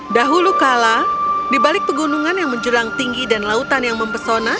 dahulu kala di balik pegunungan yang menjulang tinggi dan lautan yang mempesona